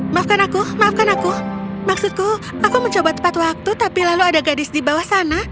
maafkan aku maafkan aku maksudku aku mencoba tepat waktu tapi lalu ada gadis di bawah sana